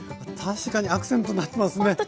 確かにアクセントになってますね。